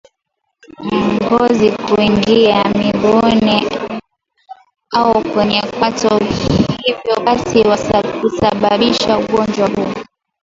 ngozi kuingia miguuni au kwenye kwato hivyo basi kusababisha ugonjwa huu